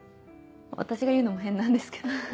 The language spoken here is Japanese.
私が言うのも変なんですけど。